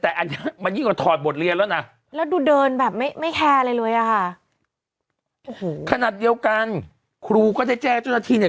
แต่อันนี้มันยิ่งกว่าถอดบทเรียนแล้วนะแล้วดูเดินแบบไม่ไม่แคร์อะไรเลยอ่ะค่ะโอ้โหขนาดเดียวกันครูก็ได้แจ้งเจ้าหน้าที่เนี่ย